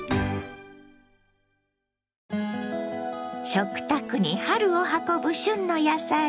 食卓に春を運ぶ旬の野菜。